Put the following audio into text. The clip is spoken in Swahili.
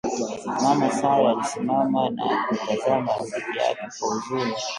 Mama Sarah alisimama na kumtazama rafiki yake kwa huzuni